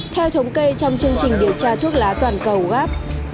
theo thống kê trong chương trình điều tra thuốc lá toàn cầu gap